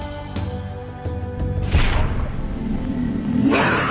sampai jumpa di video selanjutnya